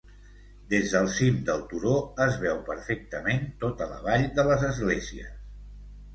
Des del cim del turó es veu perfectament tota la vall de les Esglésies.